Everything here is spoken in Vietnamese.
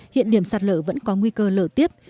hiện điểm sạt lở vẫn có nguy cơ lở tiếp